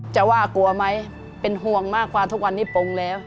จะว่ากลัวไหมเป็นห่วงมากกว่าทุกวันนี้ปงแล้ว